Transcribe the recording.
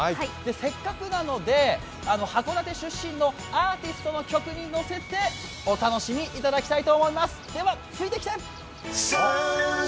せっかくなので、函館出身のアーティストの曲に乗せてお楽しみいただきたいと思いますではついてきて！